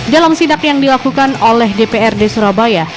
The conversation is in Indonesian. dalam sidak yang dilakukan oleh dprd surabaya